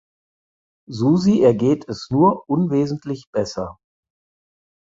Susi ergeht es nur unwesentlich besser.